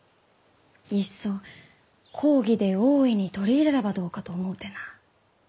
いっそ公儀で大いに取り入れればどうかと思うてな。